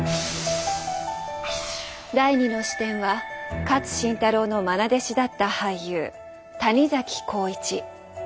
第２の視点は勝新太郎のまな弟子だった俳優谷崎弘一。